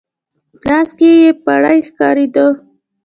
په لاس کې يې پړی ښکارېده.